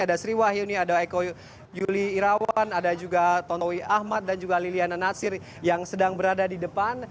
ada sri wahyuni ada eko yuli irawan ada juga tontowi ahmad dan juga liliana natsir yang sedang berada di depan